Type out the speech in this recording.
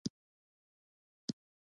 خو هغه دباندې په تيږه کېناست.